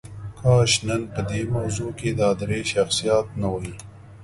کاش نن په دې موضوع کې دا درې شخصیات نه وای.